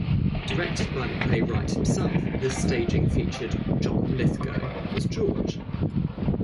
Directed by the playwright himself, this staging featured John Lithgow as George.